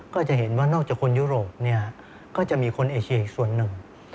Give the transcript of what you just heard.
ก็จะเห็นว่านอกจากคนยุโรปเนี่ยก็จะมีคนเอเชียอีกส่วนหนึ่ง